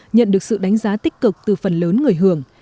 nhận được sự đánh giá tích cực từ phần lớn người hưởng